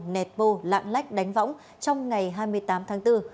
nẹt bô lạng lách đánh võng trong ngày hai mươi tám tháng bốn